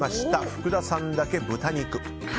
福田さんだけ豚肉。